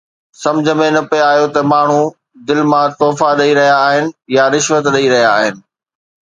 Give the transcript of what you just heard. سمجهه ۾ نه پئي آيو ته ماڻهو دل مان تحفا ڏئي رهيا آهن يا رشوت ڏئي رهيا آهن